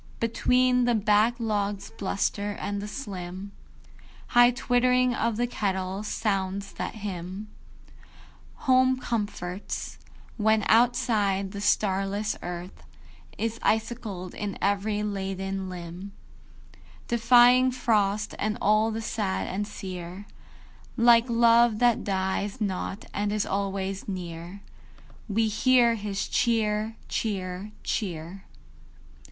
Between the back log's bluster and the slim High twittering of the kettle, sounds that hymn Home comforts, when, outside, the starless Earth Is icicled in every laden limb, Defying frost and all the sad and sear, Like love that dies not and is always near, We hear his "Cheer, cheer, cheer."